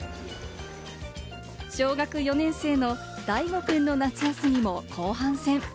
小学４年生の大吾くんの夏休みも後半戦。